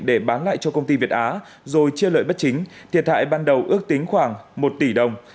để bán lại cho công ty việt á rồi chia lợi bất chính thiệt hại ban đầu ước tính khoảng một tỷ đồng